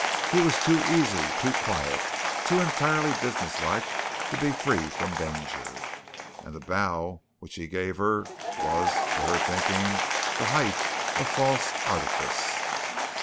He was too easy, too quiet, too entirely businesslike to be free from danger. And the bow which he gave her was, to her thinking, the height of false artifice.